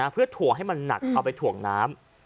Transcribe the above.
เพื่อถั่วให้มันหนักเอาไปถ่วงน้ำ